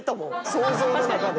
想像の中で。